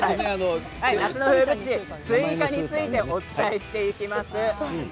スイカについてお伝えしていきます。